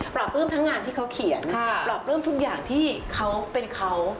ปลื้มทั้งงานที่เขาเขียนปราบปลื้มทุกอย่างที่เขาเป็นเขา